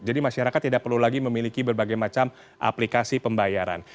jadi masyarakat tidak perlu lagi memiliki berbagai macam aplikasi pembayaran